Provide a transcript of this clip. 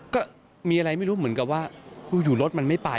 ก็มีอะไรไม่รู้เหมือนกับว่าอยู่รถมันไม่ไป